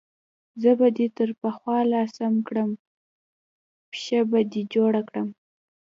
زه به دې تر پخوا لا سم کړم، پښه به دې جوړه کړم.